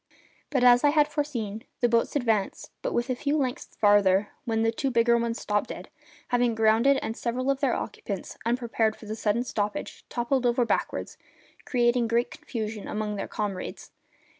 But, as I had foreseen, the boats advanced but a few lengths farther when the two bigger ones stopped dead, having grounded, and several of their occupants, unprepared for the sudden stoppage, toppled over backward, causing great confusion among their comrades.